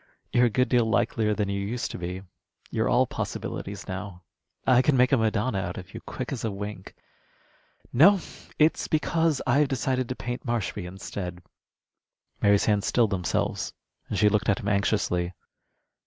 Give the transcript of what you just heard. You're a good deal likelier than you used to be. You're all possibilities now. I could make a Madonna out of you, quick as a wink. No, it's because I've decided to paint Marshby instead." Mary's hands stilled themselves, and she looked at him anxiously.